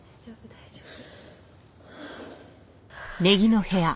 大丈夫。